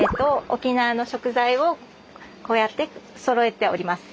沖縄の食材をこうやってそろえております。